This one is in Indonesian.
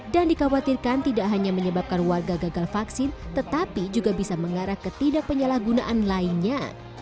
dan dikhawatirkan tidak hanya menyebabkan warga gagal vaksin tetapi juga bisa mengarah ke tidak penyalahgunaan lainnya